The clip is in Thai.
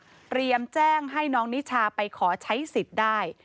เตรียมแจ้งให้น้องนิชาไปขอใช้สิทธิ์ได้